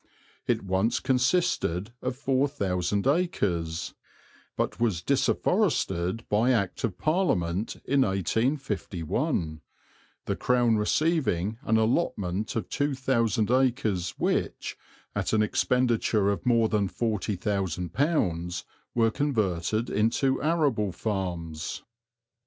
It once consisted of four thousand acres, but was disafforested by Act of Parliament in 1851, the Crown receiving an allotment of two thousand acres which, at an expenditure of more than £40,000, were converted into arable farms.